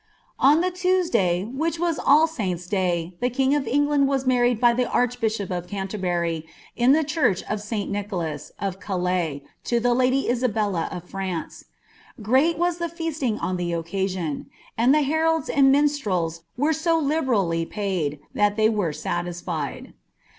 On Ihe Tuexday, which wax AU Sainta' day, the king of Eogkad «» married by ihe archbiiihop of Canlerbury iJi the church of Si. WinhnlM. of Calais, to the lady l«abella of France. Great was the fe«sun#o«lbl occasion; and the heralds and minstreLs were so liberally paid, tut ihiv were satisfied.